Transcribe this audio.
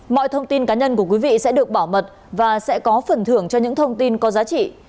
mọi thông tin cá nhân của quý vị sẽ được bảo mật và sẽ có phần thưởng cho những thông tin có giá trị